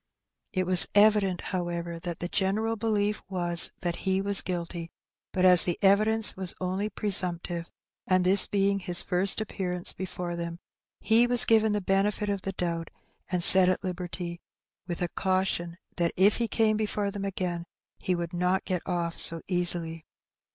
It was evident, however, that the general belief was that he was guilty; but as the evidence was only presumptive, and this being his first appearance before them, he was given the benefit of the doubt, and set at liberty, with a caution that if he came before them again he would not get off so easily.